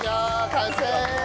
完成！